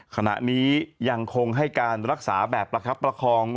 ขณะนี้ยังคงให้การรักษาแบบประคับประคอง